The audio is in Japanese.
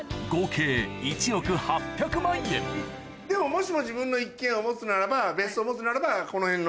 もしも自分の一軒家を持つなら別荘持つならばこの辺の？